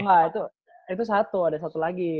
oh nggak itu satu ada satu lagi